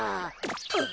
あっ。